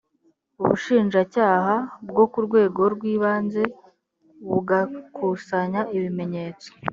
ubushinjacyaha bwo ku rwego rw’ibanze bugakusanya ibimenyetso